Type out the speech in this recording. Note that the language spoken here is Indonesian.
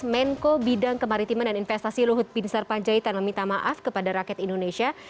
menko bidang kemaritiman dan investasi luhut bin sarpanjaitan meminta maaf kepada rakyat indonesia